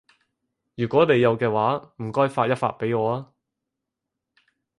如果你有嘅話，唔該發一發畀我啊